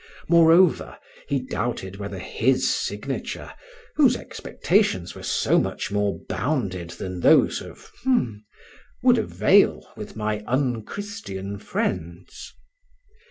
Moreover, he doubted whether his signature, whose expectations were so much more bounded than those of ——, would avail with my unchristian friends.